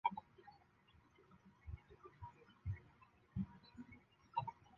战后则向民众提供医疗服务和向灾民提供粮食和药物等物资。